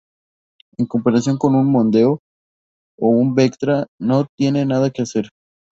En comparación con un Mondeo o un Vectra no tiene nada que hacer.